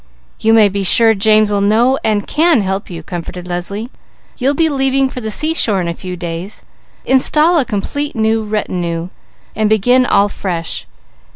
"You may be sure James will know and can help you," comforted Leslie. "You'll be leaving for the seashore in a few days; install a complete new retinue, and begin all fresh.